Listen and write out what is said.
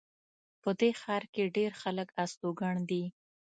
په دې ښار کې ډېر خلک استوګن دي